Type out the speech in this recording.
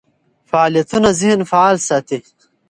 فعالیتونه ذهن فعال ساتي.